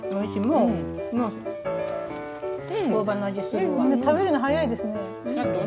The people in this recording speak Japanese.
みんな食べるの速いですね。